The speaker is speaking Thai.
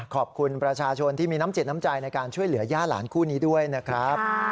ขอบคุณประชาชนที่มีน้ำจิตน้ำใจในการช่วยเหลือย่าหลานคู่นี้ด้วยนะครับ